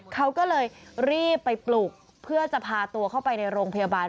เขาก็เลยรีบไปปลุกเพื่อจะพาตัวเข้าไปในโรงพยาบาล